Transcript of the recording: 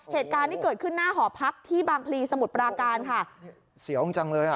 เหตุการณ์ที่เกิดขึ้นหน้าหอพักที่บางพลีสมุทรปราการค่ะเสียวจริงจังเลยอ่ะ